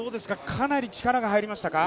かなり力が入りましたか？